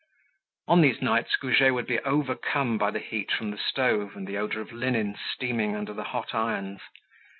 On these nights Goujet would be overcome by the heat from the stove and the odor of linen steaming under the hot irons.